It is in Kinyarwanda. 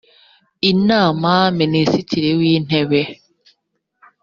inama minisitiri w’intebe